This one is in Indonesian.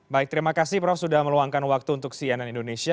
baik terima kasih prof sudah meluangkan waktu untuk cnn indonesia